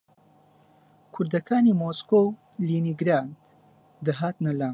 کوردەکانی مۆسکۆ و لینینگراد دەهاتنە لام